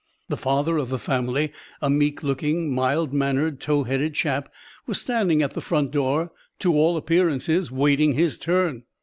The father of the family, a meek looking, mild mannered, tow headed chap, was standing at the front door to all appearances waiting his turn!